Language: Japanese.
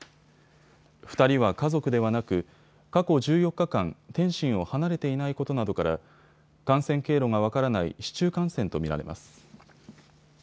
２人は家族ではなく、過去１４日間、天津を離れていないことなどから感染経路が分からない市中感染と見られます。